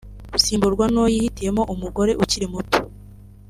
*Gusimburwa n’uwo yihitiyemo(umugore ukiri muto